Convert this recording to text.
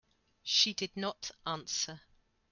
She did not answer.